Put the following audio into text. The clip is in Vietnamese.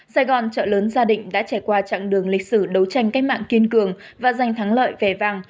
sài gòn trợ lớn gia đình đã trải qua chặng đường lịch sử đấu tranh cách mạng kiên cường và giành thắng lợi vẻ vàng